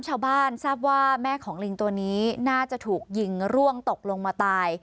ชาวบ้านทราบว่าแม่ของลิงตัวนี้น่าจะถูกยิงร่วงตกลงมาตาย